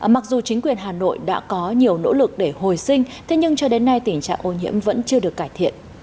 mặc dù chính quyền hà nội đã có nhiều nỗ lực để hồi sinh thế nhưng cho đến nay tình trạng ô nhiễm vẫn chưa được cải thiện